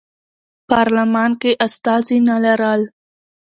پارلمان کې استازي نه لرل.